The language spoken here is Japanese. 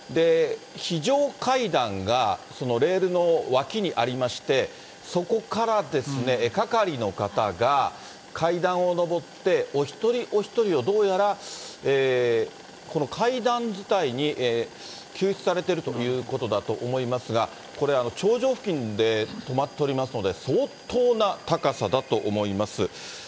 非常階段がレールの脇にありまして、そこから係の方が階段を上って、お一人お一人をどうやら階段伝いに救出されているということだと思いますが、これ、頂上付近で止まっておりますので、相当な高さだと思います。